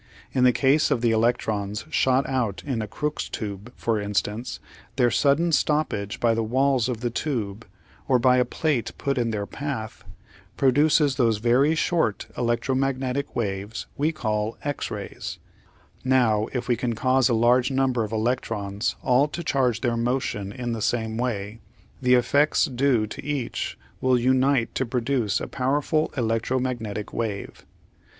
In the case of the electrons shot out in a Crooke's tube, for instance, their sudden stoppage by the walls of the tube, or by a plate put in their path, produces those very short electromagnetic waves we call X rays (see p. 253). Now if we can cause a large number of electrons all to change their motion in the same way, the effects due to each will unite to pro duce a powerful electromagnetic wave.